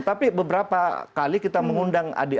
tapi beberapa kali kita mengundang adik adik